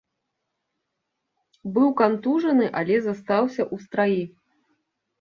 Быў кантужаны, але застаўся ў страі.